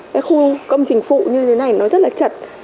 cái khu công trình phụ như thế này nó rất là chật